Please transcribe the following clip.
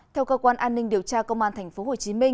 theo cơ quan an ninh điều tra công an tp hcm